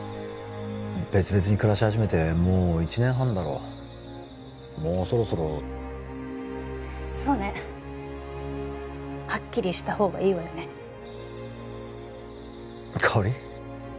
別々に暮らし始めてもう１年半だろもうそろそろそうねはっきりした方がいいわよね香織？